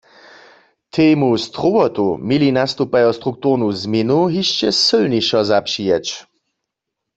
Temu strowotu měli nastupajo strukturnu změnu hišće sylnišo zapřijeć.